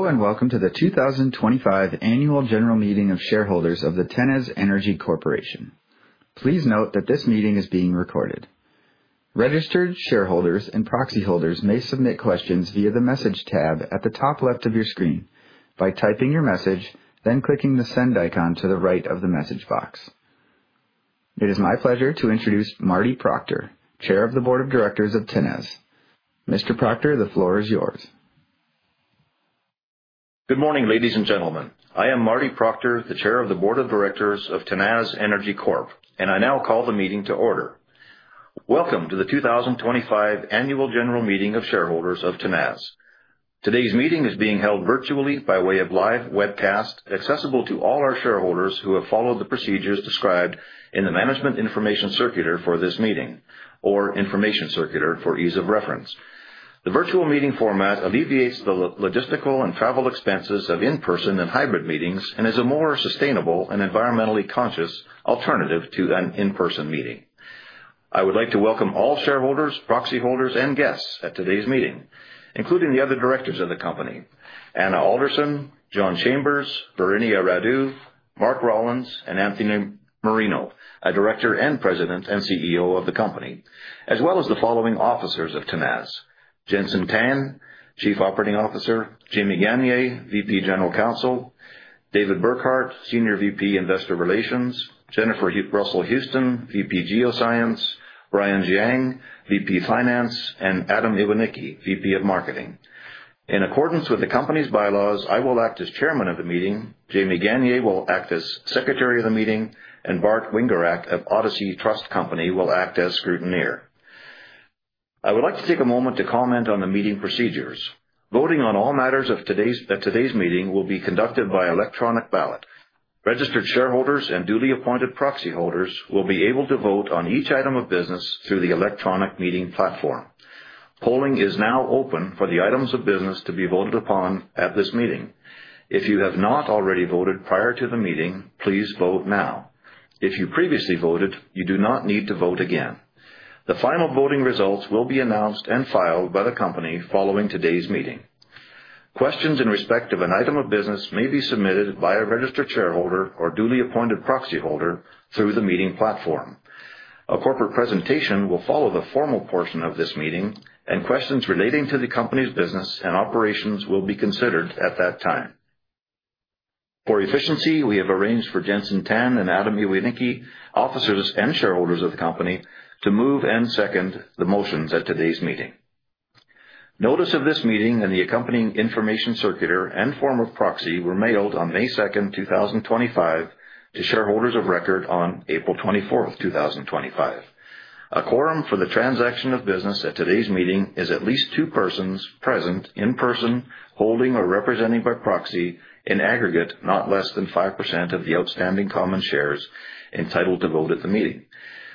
Hello, and welcome to the 2025 Annual General Meeting of Shareholders of the Tenaz Energy Corp. Please note that this meeting is being recorded. Registered shareholders and proxy holders may submit questions via the Message tab at the top left of your screen by typing your message, then clicking the Send icon to the right of the message box. It is my pleasure to introduce Marty Proctor, Chair of the Board of Directors of Tenaz. Mr. Proctor, the floor is yours. Good morning, ladies and gentlemen. I am Marty Proctor, the Chair of the Board of Directors of Tenaz Energy Corp, and I now call the meeting to order. Welcome to the 2025 annual general meeting of shareholders of Tenaz. Today's meeting is being held virtually by way of live webcast, accessible to all our shareholders who have followed the procedures described in the management information circular for this meeting or information circular for ease of reference. The virtual meeting format alleviates the logistical and travel expenses of in-person and hybrid meetings and is a more sustainable and environmentally conscious alternative to an in-person meeting. I would like to welcome all shareholders, proxy holders, and guests at today's meeting, including the other Directors of the company, Anna Alderson, John Chambers, Varinia Radu, Mark Rollins, and Anthony Marino, a Director and President and CEO of the company, as well as the following officers of Tenaz. Jenson Tan, Chief Operating Officer, Jamie Gagner, VP General Counsel, David Burghardt, Senior VP Investor Relations, Jennifer Russel-Houston, VP Geoscience, Brian Giang, VP Finance, and Adam Iwanicki, VP of Marketing. In accordance with the company's bylaws, I will act as chairman of the meeting. Jamie Gagner will act as Secretary of the meeting, and Bart Wingerak of Odyssey Trust Company will act as scrutineer. I would like to take a moment to comment on the meeting procedures. Voting on all matters at today's meeting will be conducted by electronic ballot. Registered shareholders and duly appointed proxy holders will be able to vote on each item of business through the electronic meeting platform. Polling is now open for the items of business to be voted upon at this meeting. If you have not already voted prior to the meeting, please vote now. If you previously voted, you do not need to vote again. The final voting results will be announced and filed by the company following today's meeting. Questions in respect of an item of business may be submitted by a registered shareholder or duly appointed proxy holder through the meeting platform. A corporate presentation will follow the formal portion of this meeting, and questions relating to the company's business and operations will be considered at that time. For efficiency, we have arranged for Jenson Tan and Adam Iwanicki, officers and shareholders of the company, to move and second the motions at today's meeting. Notice of this meeting and the accompanying information circular and form of proxy were mailed on May 2, 2025 to shareholders of record on April 24, 2025. A quorum for the transaction of business at today's meeting is at least two persons present in person, holding or representing by proxy in aggregate, not less than 5% of the outstanding common shares entitled to vote at the meeting.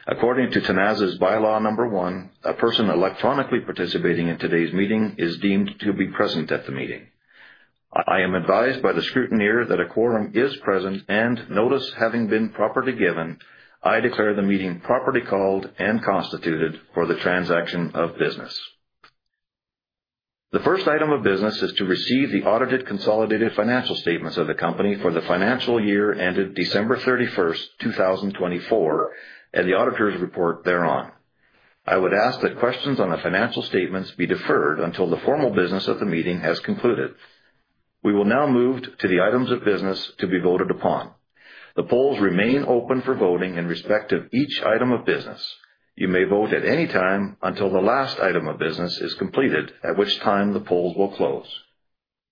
According to Tenaz's By-Law Number One, a person electronically participating in today's meeting is deemed to be present at the meeting. I am advised by the scrutineer that a quorum is present, notice having been properly given, I declare the meeting properly called and constituted for the transaction of business. The first item of business is to receive the audited consolidated financial statements of the company for the financial year ended December 31st, 2024, and the auditor's report thereon. I would ask that questions on the financial statements be deferred until the formal business of the meeting has concluded. We will now move to the items of business to be voted upon. The polls remain open for voting in respect of each item of business. You may vote at any time until the last item of business is completed, at which time the polls will close.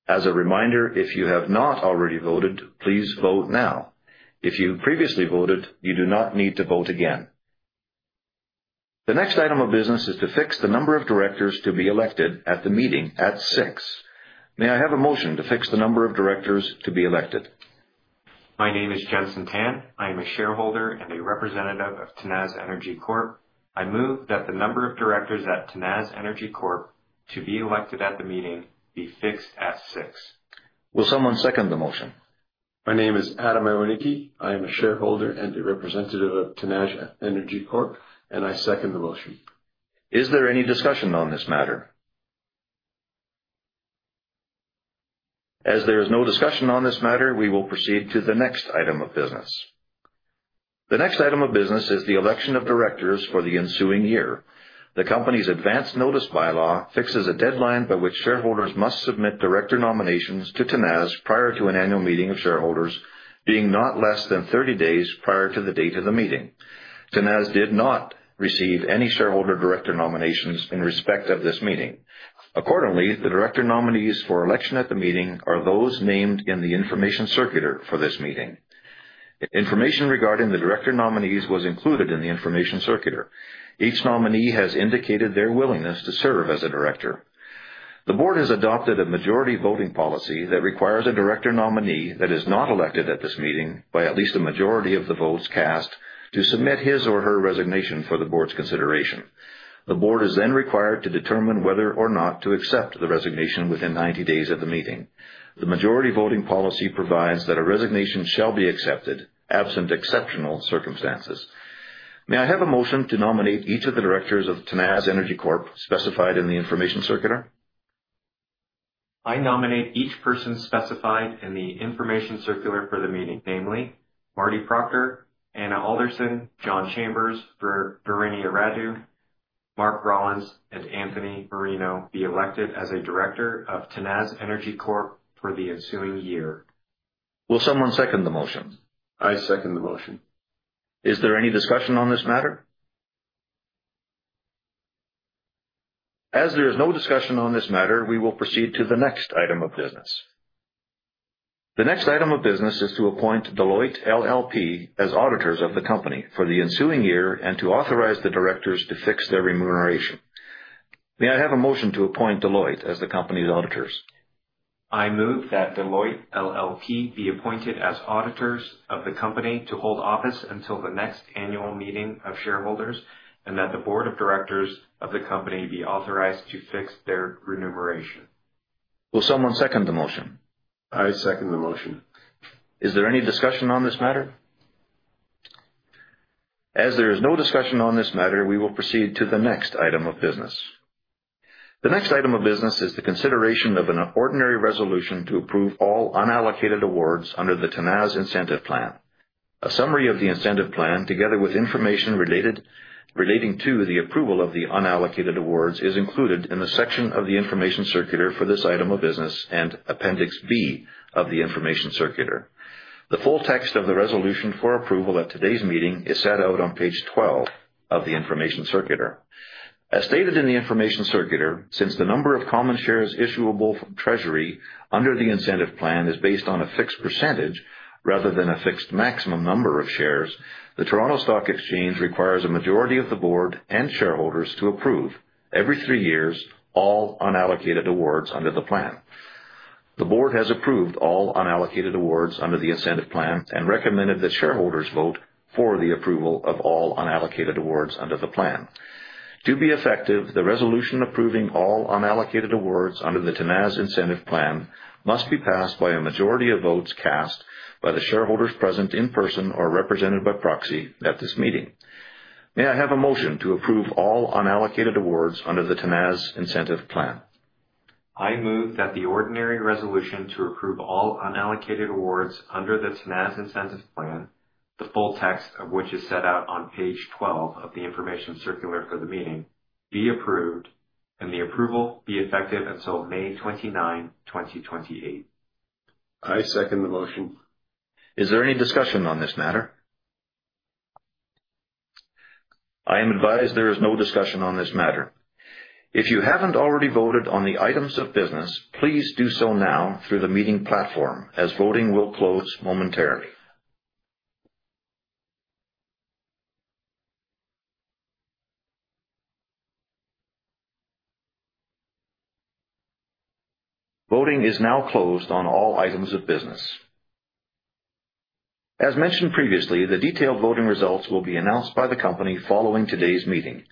As a reminder, if you have not already voted, please vote now. If you previously voted, you do not need to vote again. The next item of business is to fix the number of directors to be elected at the meeting at six. May I have a motion to fix the number of directors to be elected? My name is Jenson Tan. I am a shareholder and a representative of Tenaz Energy Corp. I move that the number of directors at Tenaz Energy Corp to be elected at the meeting be fixed at six. Will someone second the motion? My name is Adam Iwanicki. I am a shareholder and a representative of Tenaz Energy Corp. I second the motion. Is there any discussion on this matter? As there is no discussion on this matter, we will proceed to the next item of business. The next item of business is the election of directors for the ensuing year. The company's advanced notice by-law fixes a deadline by which shareholders must submit director nominations to Tenaz prior to an annual meeting of shareholders being not less than 30 days prior to the date of the meeting. Tenaz did not receive any shareholder director nominations in respect of this meeting. Accordingly, the director nominees for election at the meeting are those named in the information circular for this meeting. Information regarding the director nominees was included in the information circular. Each nominee has indicated their willingness to serve as a director. The board has adopted a majority voting policy that requires a director nominee that is not elected at this meeting, by at least a majority of the votes cast, to submit his or her resignation for the board's consideration. The board is then required to determine whether or not to accept the resignation within 90 days of the meeting. The majority voting policy provides that a resignation shall be accepted, absent exceptional circumstances. May I have a motion to nominate each of the directors of Tenaz Energy Corp specified in the information circular? I nominate each person specified in the information circular for the meeting, namely Marty Proctor, Anna Alderson, John Chambers, Varinia Radu, Mark Rollins, and Anthony Marino, be elected as a director of Tenaz Energy Corp for the ensuing year. Will someone second the motion? I second the motion. Is there any discussion on this matter? As there is no discussion on this matter, we will proceed to the next item of business. The next item of business is to appoint Deloitte LLP as auditors of the company for the ensuing year and to authorize the directors to fix their remuneration. May I have a motion to appoint Deloitte as the company's auditors? I move that Deloitte LLP be appointed as auditors of the company to hold office until the next annual meeting of shareholders, and that the board of directors of the company be authorized to fix their remuneration. Will someone second the motion? I second the motion. Is there any discussion on this matter? As there is no discussion on this matter, we will proceed to the next item of business. The next item of business is the consideration of an ordinary resolution to approve all unallocated awards under the Tenaz Incentive Plan. A summary of the incentive plan, together with information relating to the approval of the unallocated awards, is included in the section of the information circular for this item of business and Appendix B of the information circular. The full text of the resolution for approval at today's meeting is set out on page 12 of the information circular. As stated in the information circular, since the number of common shares issuable from treasury under the incentive plan is based on a fixed percentage rather than a fixed maximum number of shares, the Toronto Stock Exchange requires a majority of the board and shareholders to approve every three years all unallocated awards under the plan. The board has approved all unallocated awards under the incentive plan and recommended that shareholders vote for the approval of all unallocated awards under the plan. To be effective, the resolution approving all unallocated awards under the Tenaz Incentive Plan must be passed by a majority of votes cast by the shareholders present in person or represented by proxy at this meeting. May I have a motion to approve all unallocated awards under the Tenaz Incentive Plan? I move that the ordinary resolution to approve all unallocated awards under the Tenaz Incentive Plan, the full text of which is set out on page 12 of the information circular for the meeting, be approved and the approval be effective until May 29, 2028. I second the motion. Is there any discussion on this matter? I am advised there is no discussion on this matter. If you haven't already voted on the items of business, please do so now through the meeting platform, as voting will close momentarily. Voting is now closed on all items of business. As mentioned previously, the detailed voting results will be announced by the company following today's meeting.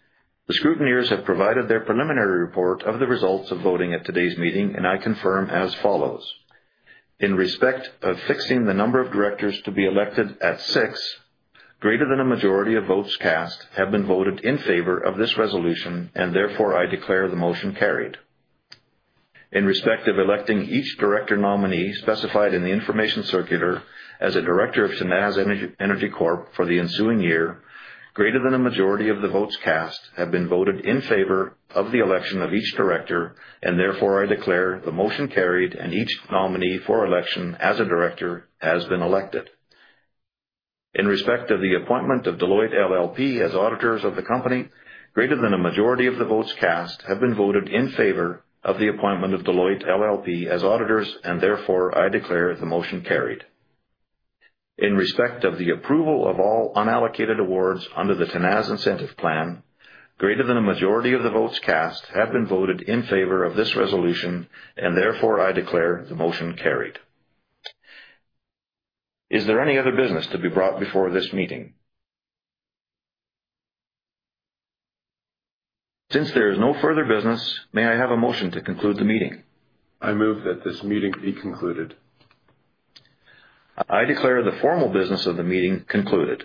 The scrutineers have provided their preliminary report of the results of voting at today's meeting, and I confirm as follows. In respect of fixing the number of directors to be elected at six, greater than a majority of votes cast have been voted in favor of this resolution and therefore I declare the motion carried. In respect of electing each director nominee specified in the information circular as a director of Tenaz Energy Corp for the ensuing year, greater than a majority of the votes cast have been voted in favor of the election of each director and therefore I declare the motion carried and each nominee for election as a director has been elected. In respect of the appointment of Deloitte LLP as auditors of the company, greater than a majority of the votes cast have been voted in favor of the appointment of Deloitte LLP as auditors, and therefore I declare the motion carried. In respect of the approval of all unallocated awards under the Tenaz Incentive Plan, greater than a majority of the votes cast have been voted in favor of this resolution, and therefore I declare the motion carried. Is there any other business to be brought before this meeting? Since there is no further business, may I have a motion to conclude the meeting? I move that this meeting be concluded. I declare the formal business of the meeting concluded.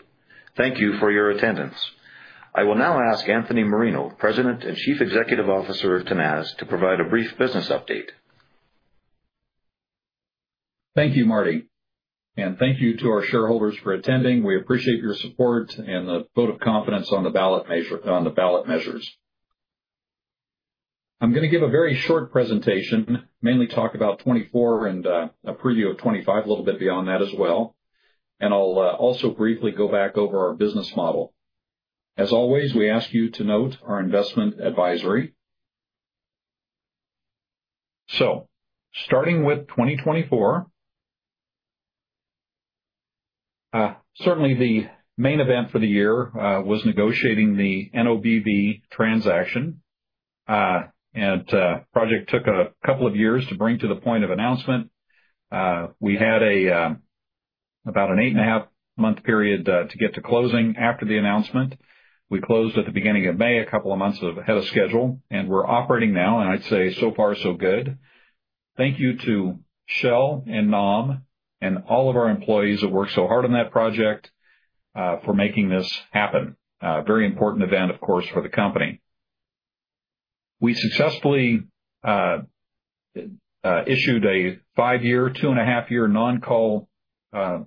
Thank you for your attendance. I will now ask Anthony Marino, President and Chief Executive Officer of Tenaz, to provide a brief business update. Thank you, Marty, and thank you to our shareholders for attending. We appreciate your support and the vote of confidence on the ballot measures. I'm gonna give a very short presentation, mainly talk about 2024 and a preview of 2025, a little bit beyond that as well. I'll also briefly go back over our business model. As always, we ask you to note our investment advisory. Starting with 2024, certainly the main event for the year was negotiating the NOBV transaction. Project took two years to bring to the point of announcement. We had about an eight and half month period to get to closing after the announcement. We closed at the beginning of May, a couple of months ahead of schedule. We're operating now, and I'd say so far, so good. Thank you to Kjell and NAM and all of our employees that worked so hard on that project for making this happen. Very important event, of course, for the company. We successfully issued a five-year, two-and-a-half year non-call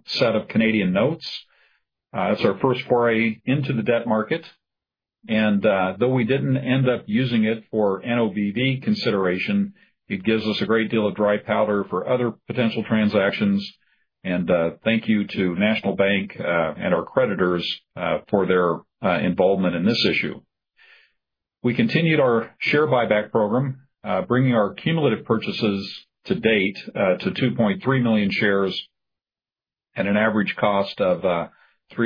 set of Canadian notes. It's our first foray into the debt market, and though we didn't end up using it for NOBV consideration, it gives us a great deal of dry powder for other potential transactions. Thank you to National Bank and our creditors for their involvement in this issue. We continued our share buyback program, bringing our cumulative purchases to date, to 2.3 million shares at an average cost of 3.74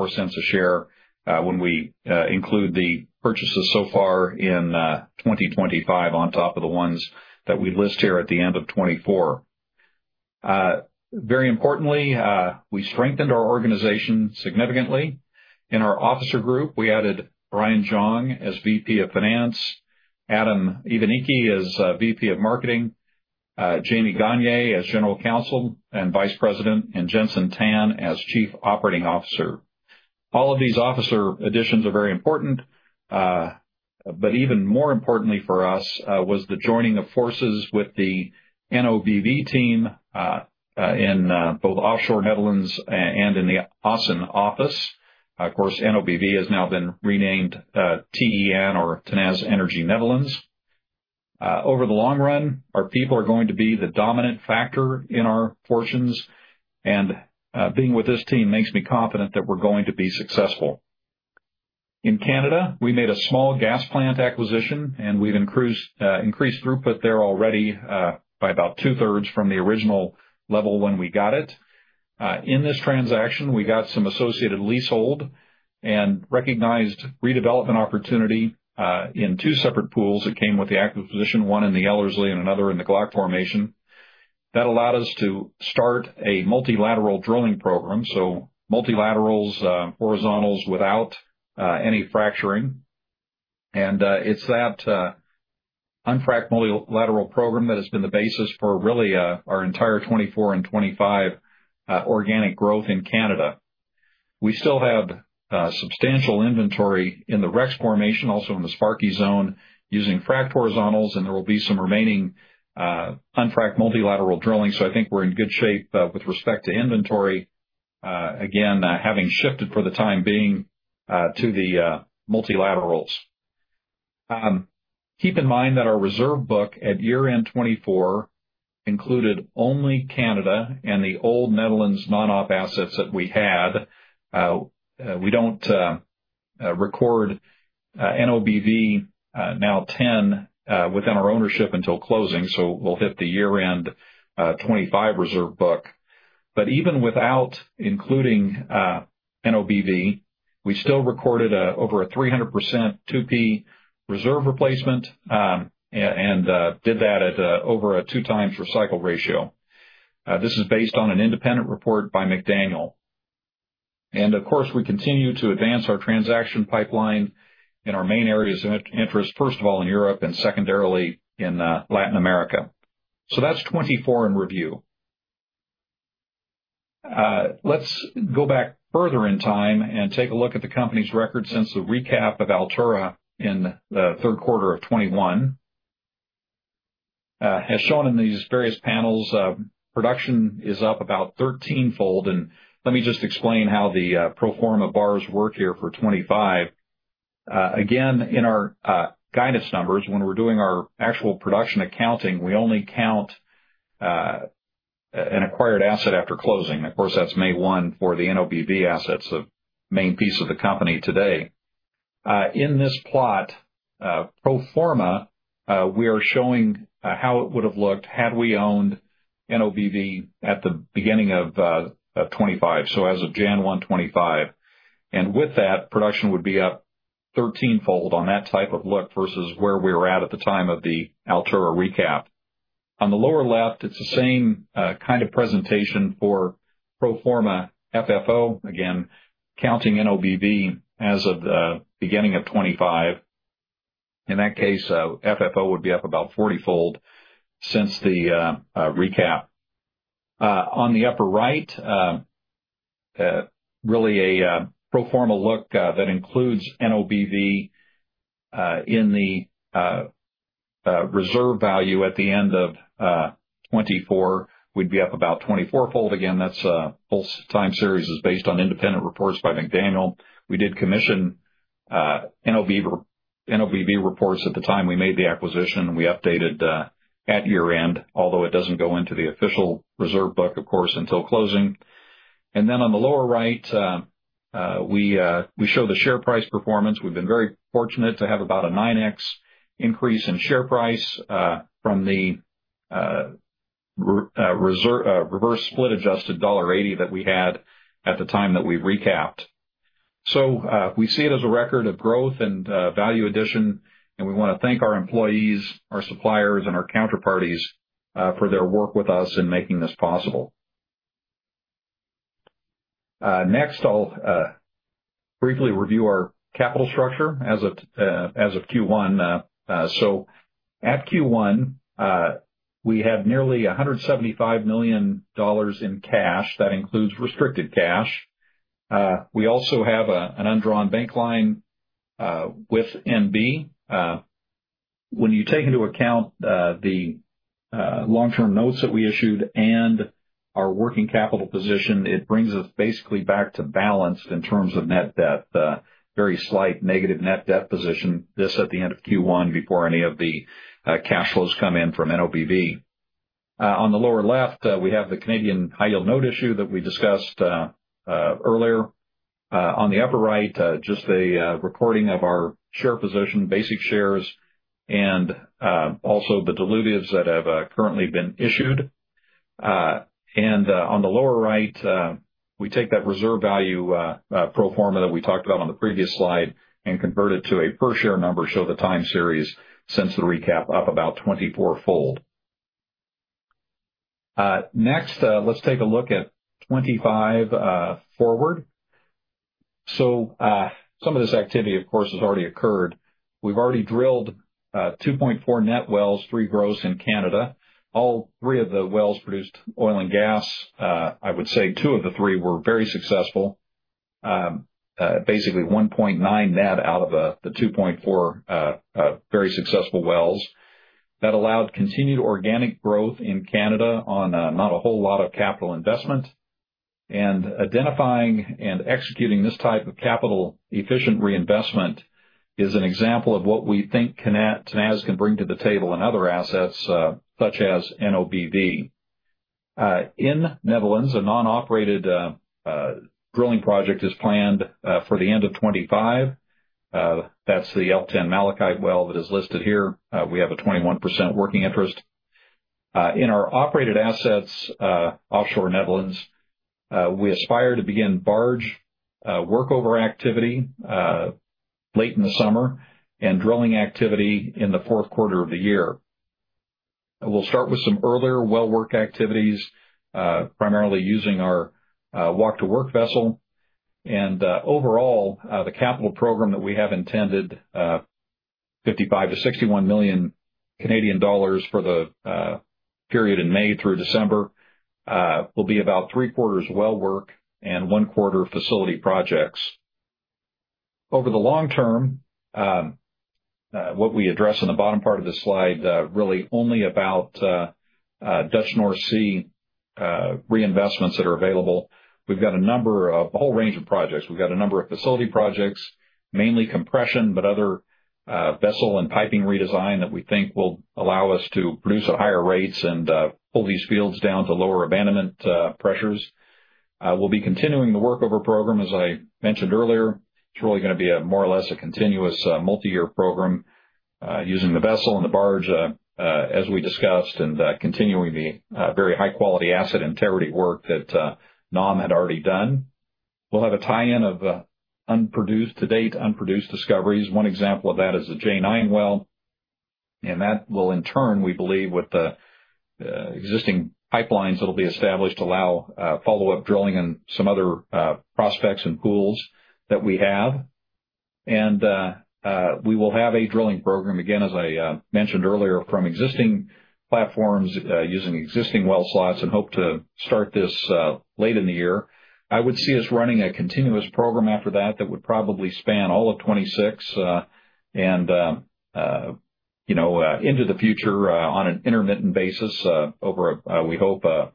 dollars a share, when we include the purchases so far in 2025 on top of the ones that we list here at the end of 2024. Very importantly, we strengthened our organization significantly. In our officer group, we added Brian Giang as VP Finance, Adam Iwanicki as VP Marketing, Jamie Gagner as General Counsel and Vice President, and Jenson Tan as Chief Operating Officer. All of these officer additions are very important. But even more importantly for us, was the joining of forces with the NAM Offshore B.V. team in both offshore Netherlands and in the Assen office. NOBV has now been renamed, TEN or Tenaz Energy Netherlands B.V. Over the long run, our people are going to be the dominant factor in our portions, and being with this team makes me confident that we're going to be successful. In Canada, we made a small gas plant acquisition, and we've increased throughput there already, by about 2/3 from the original level when we got it. In this transaction, we got some associated leasehold and recognized redevelopment opportunity, in two separate pools that came with the acquisition, one in the Ellerslie and another in the Glauconitic formation. That allowed us to start a multilateral drilling program, so multilaterals, horizontals without any fracturing. It's that unfract multilateral program that has been the basis for really, our entire 2024 and 2025 organic growth in Canada. We still have substantial inventory in the Rex formation, also in the Sparky zone, using fracked horizontals, and there will be some remaining unfract multilateral drilling. I think we're in good shape with respect to inventory, again, having shifted for the time being to the multilaterals. Keep in mind that our reserve book at year-end 2024 included only Canada and the old Netherlands non-op assets that we had. We don't record NOBV, now TEN, within our ownership until closing, so we'll hit the year-end 25 reserve book. Even without including NOBV, we still recorded over a 300% 2P reserve replacement, and did that at over a two times recycle ratio. This is based on an independent report by McDaniel. Of course, we continue to advance our transaction pipeline in our main areas of interest, first of all in Europe and secondarily in Latin America. That's 2024 in review. Let's go back further in time and take a look at the company's record since the recap of Altura in the third quarter of 2021. As shown in these various panels, production is up about 13-fold, and let me just explain how the pro forma bars work here for 2025. Again, in our guidance numbers, when we're doing our actual production accounting, we only count an acquired asset after closing. Of course, that's May 1 for the NOBV assets, the main piece of the company today. In this plot, pro forma, we are showing how it would have looked had we owned NOBV at the beginning of 2025, so as of Jan 1, 2025. With that, production would be up 13-fold on that type of look versus where we were at at the time of the Altura recap. On the lower left, it's the same kind of presentation for pro forma FFO, again, counting NOBV as of the beginning of 2025. In that case, FFO would be up about 40-fold since the recap. On the upper right, really a pro forma look that includes NOBV in the reserve value at the end of 2024, we'd be up about 24-fold. Again, that's both time series is based on independent reports by McDaniel. We did commission NAM Offshore B.V. reports at the time we made the acquisition. We updated at year-end, although it doesn't go into the official reserve book, of course, until closing. On the lower right, we show the share price performance. We've been very fortunate to have about a 9x increase in share price from the reverse split adjusted dollar 1.80 that we had at the time that we recapped. We see it as a record of growth and value addition, and we want to thank our employees, our suppliers, and our counterparties for their work with us in making this possible. Next, I'll briefly review our capital structure as of Q1. At Q1, we have nearly 175 million dollars in cash. That includes restricted cash. We also have an undrawn bank line with NB. When you take into account the long-term notes that we issued and our working capital position, it brings us basically back to balance in terms of net debt. A very slight negative net debt position. This at the end of Q1 before any of the cash flows come in from NOBV. On the lower left, we have the Canadian high-yield note issue that we discussed earlier. On the upper right, just a reporting of our share position, basic shares, and also the dilutives that have currently been issued. On the lower right, we take that reserve value pro forma that we talked about on the previous slide and convert it to a per share number, show the time series since the recap up about 24-fold. Next, let's take a look at 25 forward. Some of this activity, of course, has already occurred. We've already drilled 2.4 net wells, three gross in Canada. All three of the wells produced oil and gas. I would say two of the three were very successful. Basically 1.9 net out of the 2.4 very successful wells. That allowed continued organic growth in Canada on not a whole lot of capital investment. Identifying and executing this type of capital efficient reinvestment is an example of what we think Tenaz can bring to the table in other assets, such as NAM Offshore B.V. In Netherlands, a non-operated drilling project is planned for the end of 2025. That's the L10 Malachite Well that is listed here. We have a 21% working interest. In our operated assets, offshore Netherlands, we aspire to begin barge workover activity late in the summer, and drilling activity in the fourth quarter of the year. We'll start with some earlier well work activities, primarily using our walk-to-work vessel. Overall, the capital program that we have intended, 55 million-61 million Canadian dollars for the period in May through December, will be about three-quarters well work and one quarter facility projects. Over the long term, what we address on the bottom part of this slide, really only about Dutch North Sea reinvestments that are available. We've got a whole range of projects. We've got a number of facility projects, mainly compression, but other vessel and piping redesign that we think will allow us to produce at higher rates and pull these fields down to lower abandonment pressures. We'll be continuing the workover program, as I mentioned earlier. It's really gonna be a more or less a continuous, multi-year program, using the vessel and the barge, as we discussed, and continuing the very high-quality asset integrity work that NAM had already done. We'll have a tie-in of unproduced to date, unproduced discoveries. One example of that is the J9 Well, and that will in turn, we believe, with the existing pipelines that'll be established, allow follow-up drilling in some other prospects and pools that we have. We will have a drilling program, again, as I mentioned earlier, from existing platforms, using existing well slots, and hope to start this late in the year. I would see us running a continuous program after that would probably span all of 2026, and, you know, into the future, on an intermittent basis, over, we hope, a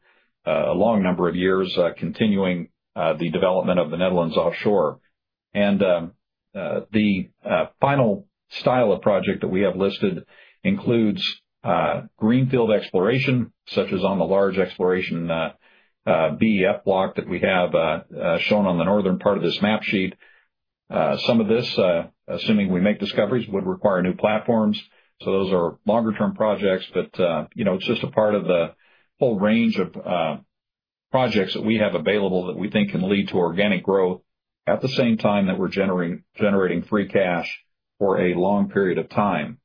long number of years, continuing the development of the Netherlands offshore. The final style of project that we have listed includes greenfield exploration, such as on the large exploration, BF block that we have shown on the northern part of this map sheet. Some of this, assuming we make discoveries, would require new platforms. Those are longer term projects, but, you know, it's just a part of the whole range of projects that we have available that we think can lead to organic growth at the same time that we're generating free cash for a long period of time.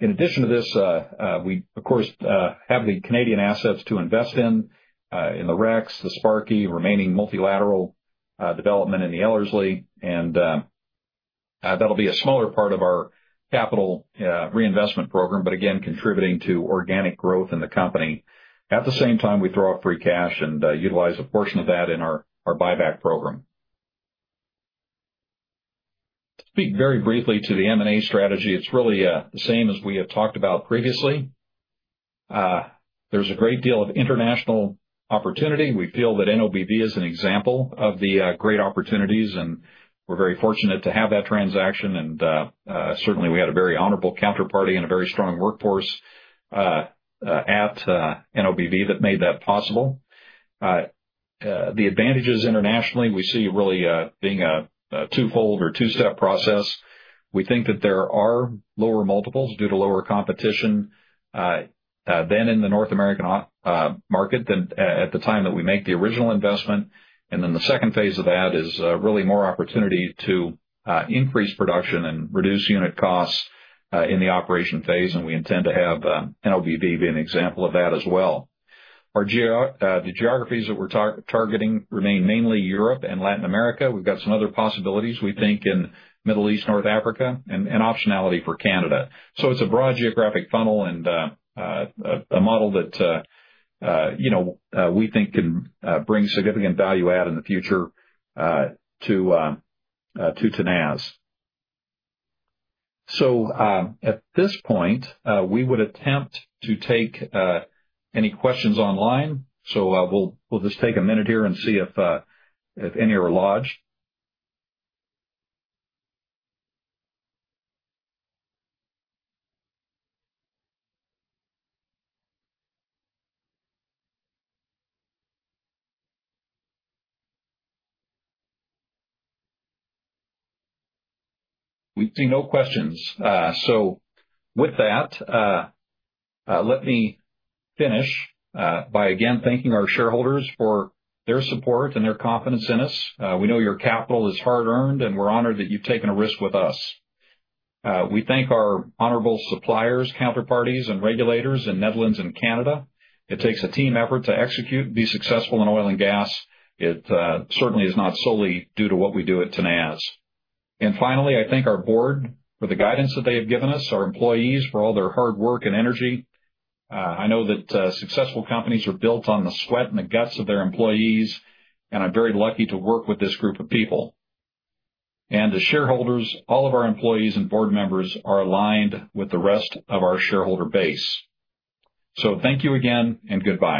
In addition to this, we, of course, have the Canadian assets to invest in the Rex, the Sparky, remaining multilateral development in the Ellerslie. That'll be a smaller part of our capital reinvestment program, but again, contributing to organic growth in the company. At the same time, we throw off free cash and utilize a portion of that in our buyback program. To speak very briefly to the M&A strategy, it's really the same as we had talked about previously. There's a great deal of international opportunity. We feel that NOBV is an example of the great opportunities, and we're very fortunate to have that transaction. Certainly, we had a very honorable counterparty and a very strong workforce at NOBV that made that possible. The advantages internationally, we see really being a twofold or two-step process. We think that there are lower multiples due to lower competition than in the North American market than at the time that we make the original investment. The second phase of that is really more opportunity to increase production and reduce unit costs in the operation phase. We intend to have NOBV be an example of that as well. Our geographies that we're targeting remain mainly Europe and Latin America. We've got some other possibilities, we think, in Middle East, North Africa, and optionality for Canada. It's a broad geographic funnel and a model that, you know, we think can bring significant value add in the future to Tenaz Energy. At this point, we would attempt to take any questions online. We'll just take a minute here and see if any are lodged. We see no questions. With that, let me finish by again thanking our shareholders for their support and their confidence in us. We know your capital is hard earned, and we're honored that you've taken a risk with us. We thank our honorable suppliers, counterparties, and regulators in Netherlands and Canada. It takes a team effort to execute and be successful in oil and gas. It certainly is not solely due to what we do at Tenaz Energy. Finally, I thank our board for the guidance that they have given us, our employees for all their hard work and energy. I know that successful companies are built on the sweat and the guts of their employees, and I'm very lucky to work with this group of people. The shareholders, all of our employees and board members are aligned with the rest of our shareholder base. Thank you again, and goodbye.